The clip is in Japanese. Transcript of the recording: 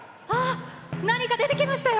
何か出てきましたよ。